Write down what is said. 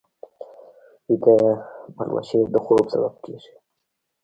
ویده پلوشې د خوب سبب کېږي